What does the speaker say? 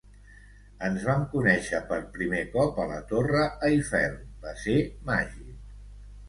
Ens vam conèixer per primer cop a la Torre Eiffel, va ser màgic.